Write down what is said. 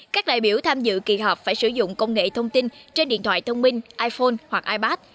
các đại biểu tham dự kỳ họp phải sử dụng công nghệ thông tin trên điện thoại thông minh iphone hoặc ipad